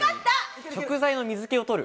食材の水気をとる。